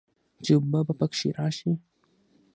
چې اوبۀ به پکښې راشي